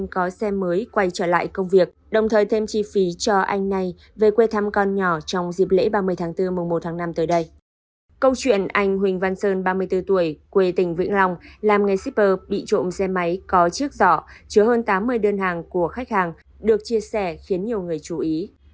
câu chuyện anh huỳnh văn sơn ba mươi bốn tuổi quê tỉnh vĩnh long làm nghề shipper bị trộm xe máy có chiếc dọ chứa hơn tám mươi đơn hàng của khách hàng được chia sẻ khiến nhiều người chú ý